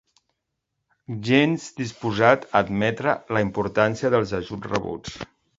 Gens disposat a admetre la importància dels ajuts rebuts.